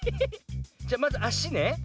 じゃまずあしね。